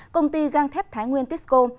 công ty gang thép thái nguyên tisco